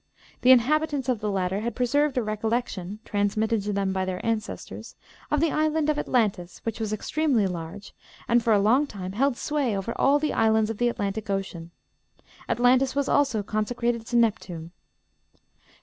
The inhabitants of the latter had preserved a recollection (transmitted to them by their ancestors) of the island of Atlantis, which was extremely large, and for a long time held sway over all the islands of the Atlantic Ocean. Atlantis was also consecrated to Neptune."'